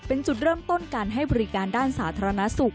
เป็นจุดเริ่มต้นการให้บริการด้านสาธารณสุข